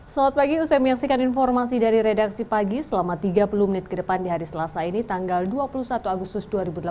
selamat pagi usai menyaksikan informasi dari redaksi pagi selama tiga puluh menit ke depan di hari selasa ini tanggal dua puluh satu agustus dua ribu delapan belas